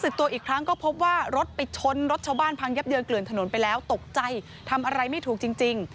ก็พบว่ารถไปชนรถชาวบ้านพังยับเดือนเกลือนถนนไปแล้วตกใจทำอะไรไม่ถูกจริง